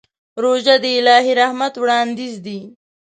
روژه د الهي رحمت وړاندیز دی.